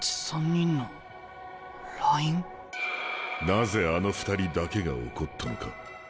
なぜあの２人だけが怒ったのか？